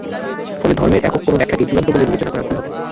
ফলে ধর্মের একক কোনো ব্যাখ্যাকেই চূড়ান্ত বলে বিবেচনা করা ভুল হবে।